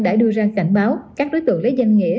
đã đưa ra cảnh báo các đối tượng lấy danh nghĩa